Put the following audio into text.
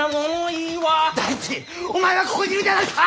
第一お前はここにいるではないか！